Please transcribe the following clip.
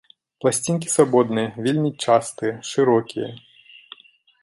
Пласцінкі свабодныя, вельмі частыя, шырокія.